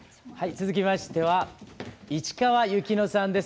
続きましては市川由紀乃さんです。